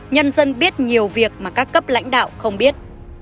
nhân dân biết nhiều việc mà các cấp lãnh đạo không biết